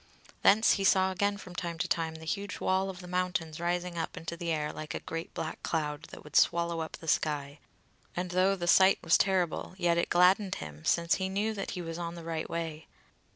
Thence he saw again from time to time the huge wall of the mountains rising up into the air like a great black cloud that would swallow up the sky, and though the sight was terrible, yet it gladdened him, since he knew that he was on the right way.